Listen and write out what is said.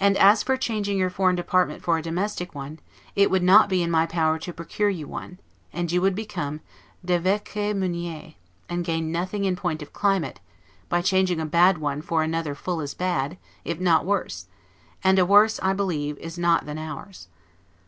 And as for changing your foreign department for a domestic one, it would not be in my power to procure you one; and you would become 'd'eveque munier', and gain nothing in point of climate, by changing a bad one for another full as bad, if not worse; and a worse I believe is not than ours.